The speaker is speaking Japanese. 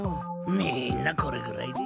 みんなこれぐらいでい。